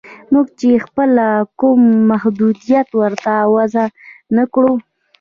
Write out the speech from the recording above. موږ چې خپله کوم محدودیت ورته وضع نه کړو